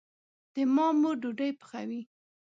د ما مور ډوډي پخوي